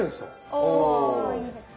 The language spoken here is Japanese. あいいですね。